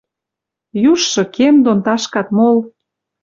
Южшы кем дон ташкат мол.